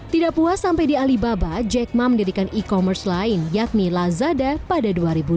tidak puas sampai di alibaba jack ma mendirikan e commerce lain yakni lazada pada dua ribu dua belas